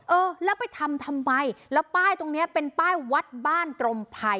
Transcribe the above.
เออแล้วไปทำทำไมแล้วป้ายตรงนี้เป็นป้ายวัดบ้านตรมไพร